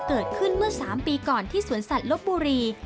เกิดขึ้นเมื่อ๓ปีก่อนที่สวนสัตว์ลบบุรี